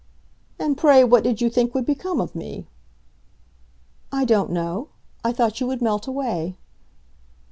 "And pray what did you think would become of me?" "I don't know. I thought you would melt away."